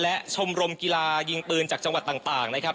และชมรมกีฬายิงปืนจากจังหวัดต่างนะครับ